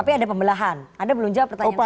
tapi ada pembelahan anda belum jawab pertanyaan saya